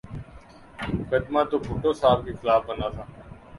مقدمہ تو بھٹو صاحب کے خلاف بنا تھا۔